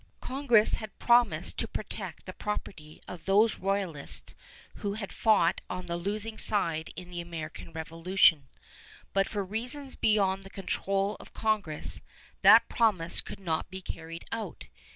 Congress had promised to protect the property of those Royalists who had fought on the losing side in the American Revolution, but for reasons beyond the control of Congress, that promise could not be carried out.